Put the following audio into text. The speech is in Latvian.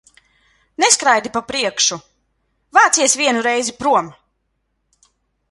Neskraidi pa priekšu! Vācies vienu reizi prom!